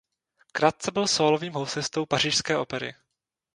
Krátce byl sólovým houslistou pařížské Opery.